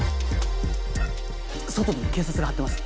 外にも警察が張ってます